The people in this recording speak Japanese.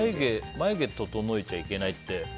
眉毛整えちゃいけないって。